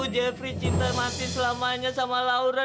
jeffrey cinta mati selamanya sama laura